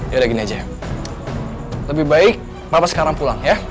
yaudah gini aja ya lebih baik papa sekarang pulang ya